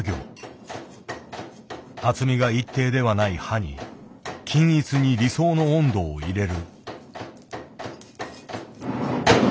厚みが一定ではない刃に均一に理想の温度を入れる。